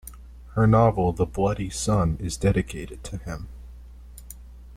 Her novel "The Bloody Sun" is dedicated to him.